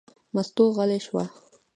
مستو غلې شوه.